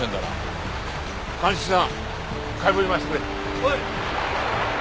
はい。